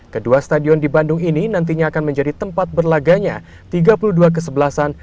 kedua stadion di bandung ini nantinya akan menjadi tempat berlaganya tiga puluh dua kesebelasan dari tiga puluh dua negara